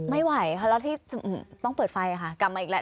ไม่ไหวค่ะแล้วที่ต้องเปิดไฟค่ะกลับมาอีกแล้ว